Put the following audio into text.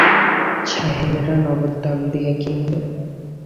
সাহেবেরা নগদ দাম দিয়ে কিনবে।